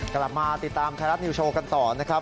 กลับมาติดตามไทยรัฐนิวโชว์กันต่อนะครับ